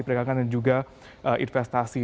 perdagangan dan juga investasi